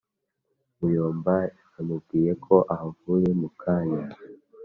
muyomba yamubwiyeko ahavuye mu kanya